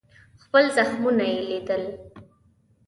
خپل زخمونه یې لیدل.